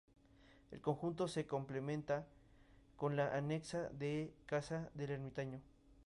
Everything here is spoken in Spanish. El conjunto se complementa con la anexa casa del ermitaño.